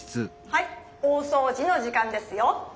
はい大そうじの時間ですよ。